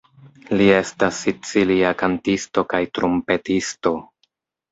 Li estas sicilia kantisto kaj trumpetisto.